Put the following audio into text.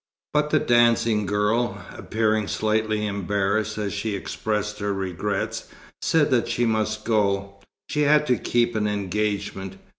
But the dancing girl, appearing slightly embarrassed as she expressed her regrets, said that she must go; she had to keep an engagement.